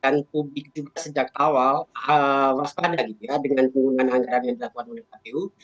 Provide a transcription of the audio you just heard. karena saya pikir itu juga publik juga sejak awal waspada gitu ya dengan penggunaan anggaran yang dilakukan oleh kpu